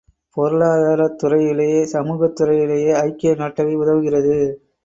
பொருளாதாரத் துறையிலே சமூகத்துறையிலே ஐக்கிய நாட்டவை உதவுகிறது.